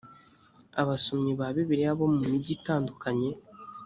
abasomyi ba bibiliya bo mu migi itandukanye